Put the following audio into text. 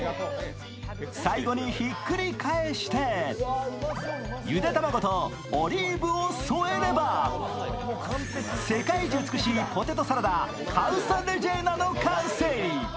最後にひっくり返してゆで卵とオリーブを添えれば世界一美しいポテトサラダカウサレジェーナの完成。